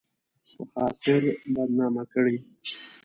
په خاطر بدنامه کړي